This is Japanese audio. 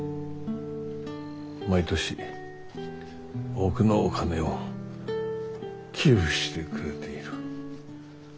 毎年多くのお金を寄付してくれている。